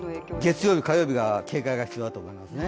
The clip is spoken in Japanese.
月曜日、火曜日が警戒が必要だと思いますね。